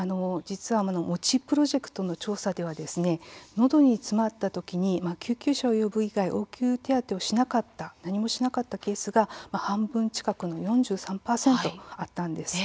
ＭＯＣＨＩプロジェクトの調査では、のどに詰まったときに救急車を呼ぶ以外応急手当をしなかった何もしなかったケースが半分近くの４３％あったんです。